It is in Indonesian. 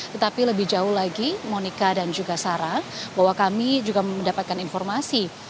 tetapi lebih jauh lagi monika dan juga sarah bahwa kami juga mendapatkan informasi